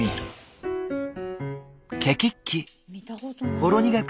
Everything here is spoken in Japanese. ほろ苦く